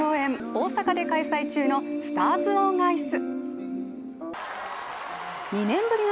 大阪で開催中のスターズ・オン・アイス。